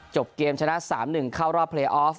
เกมชนะ๓๑เข้ารอบเพลย์ออฟ